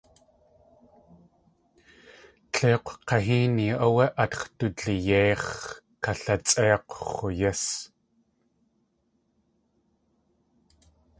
Tléik̲w kahéeni áwé átx̲ dulyéix̲ kalsék̲ʼx̲u yís.